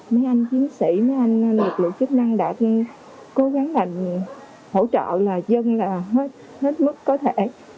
mấy anh chiến sĩ mấy anh lực lượng chức năng đã cố gắng làm hỗ trợ là dân là hết mức có thể